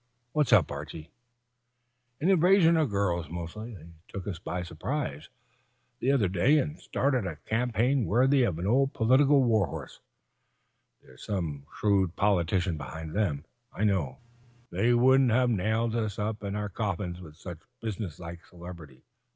"What's up, Archie?" "An invasion of girls, mostly. They took us by surprise, the other day, and started a campaign worthy of old political war horses. There's some shrewd politician behind them, I know, or they wouldn't have nailed us up in our coffins with such business like celerity."